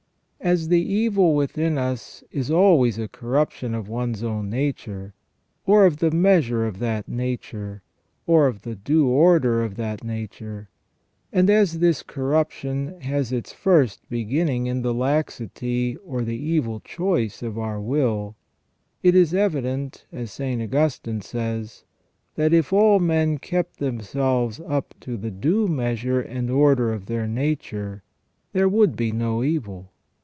As the evil within us is always a corruption of one's own nature, or of the measure of that nature, or of the due order of that nature ; and as this corruption has its first beginning in the laxity or the evil choice of our will ; it is evident, as St. Augustine says, that " if all men kept themselves up to the due measure and order of their nature, there would be no evil.